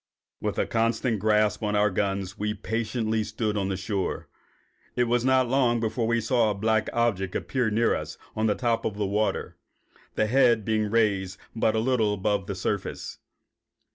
With a constant grasp on our guns, we patiently stood on the shore. It was not long before we saw a black object appear near us on the top of the water, the head being raised but little above the surface.